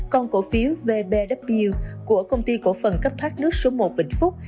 còn cổ phiếu vbw của công ty cổ phần cấp thoát nước số một vĩnh phúc